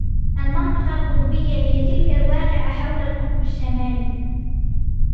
المنطقة القطبية هي تلك الواقعة حول القطب الشمالي.